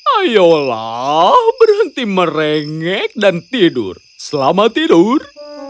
ayolah berhenti merengek dan tidur selama tidur